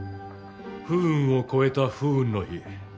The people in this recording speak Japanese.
不運を超えた不運の日。